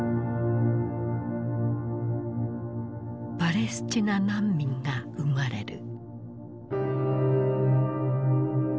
パレスチナ難民が生まれる。